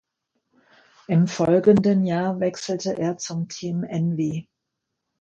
Im folgenden Jahr wechselte er zum Team Envy.